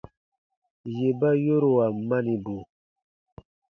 Yè ba yoruan manibu.